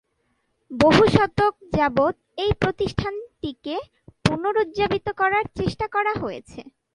বহু শতক যাবত এই প্রতিষ্ঠানটিকে পুনরুজ্জীবিত করার চেষ্টা করা হয়েছে।